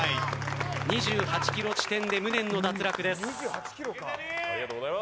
２８キロ地点で無念の脱落です。